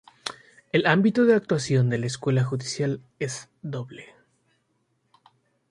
El ámbito de actuación de la Escuela Judicial es doble.